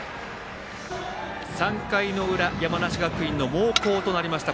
３回の裏山梨学院の猛攻となりました。